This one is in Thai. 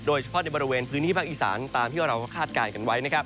โดยเฉพาะในบริเวณพื้นที่ภาคอีสานตามที่เราก็คาดการณ์กันไว้